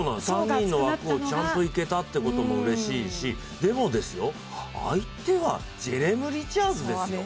３人の枠をちゃんといけたということもうれしいし、でも、相手はジェレーム・リチャーズですよ。